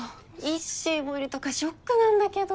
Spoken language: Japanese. イッシーもいるとかショックなんだけど。